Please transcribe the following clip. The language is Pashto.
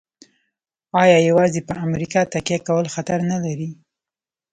آیا یوازې په امریکا تکیه کول خطر نلري؟